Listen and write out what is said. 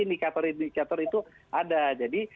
indikator indikator itu ada jadi